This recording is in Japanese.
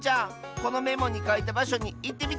このメモにかいたばしょにいってみて！